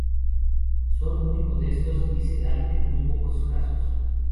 Son muy modestos, y se dan en muy pocos casos.